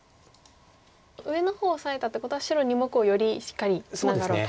上の方オサえたっていうことは白２目をよりしっかりツナがろうと。